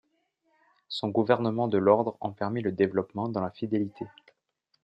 Son gouvernement de l'Ordre en permit le développement dans la fidélité.